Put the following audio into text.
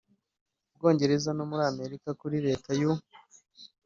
Bwongereza no muri Amerika Kuri Leta y u